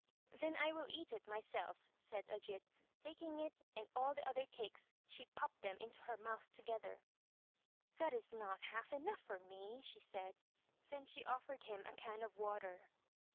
"Then I will eat it myself," said Ajít, and taking it and all the other cakes she popped them into her mouth together. "That is not half enough for me," she said. Then she offered him a can of water.